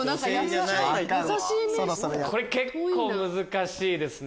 これ結構難しいですね。